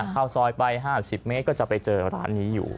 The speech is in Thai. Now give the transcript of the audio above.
เข้าซอยไป๕๐เมตรก็จะไปเจอร้านนี้อยู่